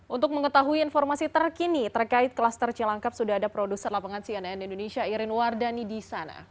untuk mengetahui informasi terkini terkait kluster cilangkap sudah ada produser lapangan cnn indonesia irin wardani di sana